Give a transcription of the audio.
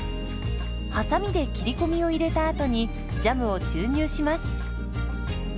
はさみで切り込みを入れたあとにジャムを注入します。